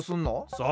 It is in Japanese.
そう。